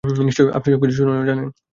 নিশ্চয়ই আপনি সবকিছু শোনেন ও জানেন।